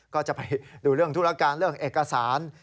ก็จะไปดูเรื่องธุรการเรื่องเอกสาร